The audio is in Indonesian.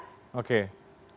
ataupun nama cat